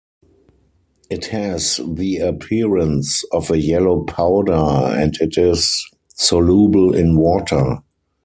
It has the appearance of a yellow powder, and it is soluble in water.